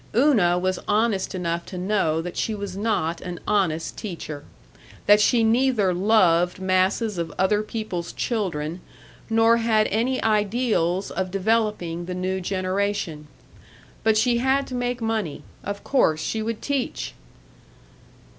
Una was honest enough to know that she was not an honest teacher, that she neither loved masses of other people's children nor had any ideals of developing the new generation. But she had to make money. Of course she would teach!